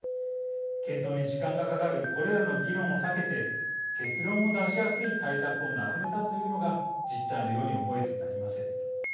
検討に時間がかかるこれらの議論を避けて結論を出しやすい対策を並べたというのが実態のように思えてなりません。